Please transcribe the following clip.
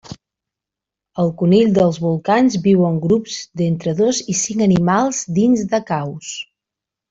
El conill dels volcans viu en grups d'entre dos i cinc animals dins de caus.